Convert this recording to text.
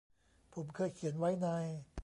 ผมเคยเขียนไว้ใน